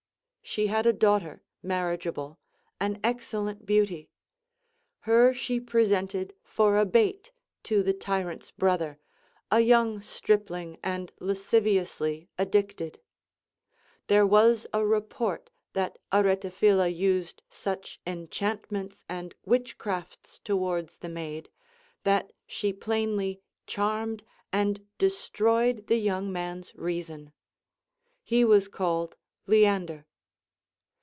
She had a daughter marriageable, an excellent beauty. Her she presented for a bait to the tyrant's brother, a young stripling and lasciviously addicted. There was a report, VOL. I. 24 370 CONCERNING THE VIRTUES OF WOjIEN. that Aretaphila used such enchantments and witchcrafts towards the maid, that she phxiuly charmed and destroyed the young man's reason. He was called Leander.